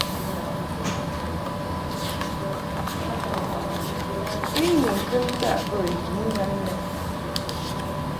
I ni ŋkɨ ntaʼ bə yiŋgan lɛ.